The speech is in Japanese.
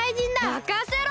まかせろ！